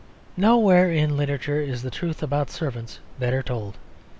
Nowhere in literature is the truth about servants better told.